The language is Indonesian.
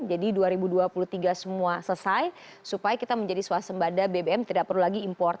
jadi dua ribu dua puluh tiga semua selesai supaya kita menjadi swasembada bbm tidak perlu lagi import